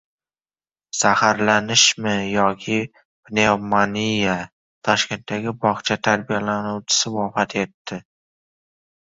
Zaharlanishmi yoki pnevmoniya: Toshkentdagi bog‘cha tarbiyalanuvchisi vafot etdi